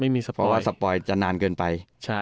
เพราะว่าสปอยจะนานเกินไป